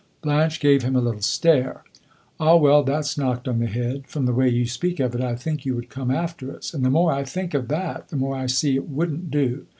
Blanche gave him a little stare. "Ah well, that 's knocked on the head! From the way you speak of it, I think you would come after us; and the more I think of that, the more I see it would n't do.